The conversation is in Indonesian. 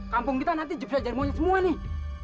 kampung kita nanti jepsa jadi monyet semua nih